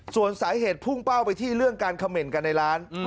ส่วนสาเหตุพุ่งเป้าไปที่เรื่องการเขม่นกันในร้าน